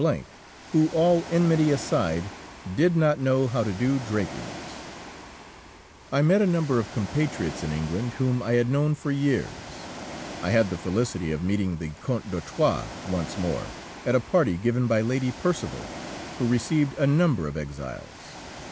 who, all enmity aside, did not know how to do drapings. I met a number of compatriots in England whom I had known for years. I had the felicity of meeting the Count d'Artois once more, at a party given by Lady Percival, who received a number of exiles.